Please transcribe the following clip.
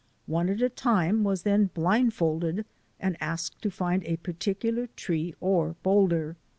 One at a time was then blindfolded and asked to find a particular tree or boulder.